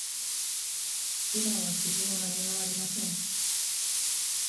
今は傷も何もありません。